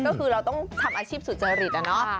ก็คือเราต้องทำอาชีพสุจริตอะเนาะ